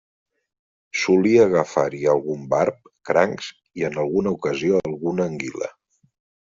Solia agafar-hi algun barb, crancs, i en alguna ocasió alguna anguila.